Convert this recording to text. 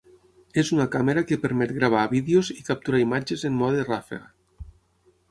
És una càmera que permet gravar vídeos i capturar imatges en mode ràfega.